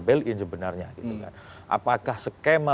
bel in sebenarnya apakah skema